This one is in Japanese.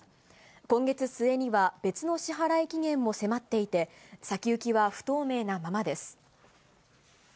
今月末には別の支払い期限も迫っていて、先行きは不透明なままです。